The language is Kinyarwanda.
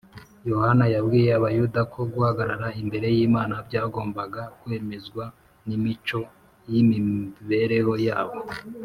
. Yohana yabwiye Abayuda ko guhagarara imbere y’Imana byagombaga kwemezwa n’imico y’imibereho yabo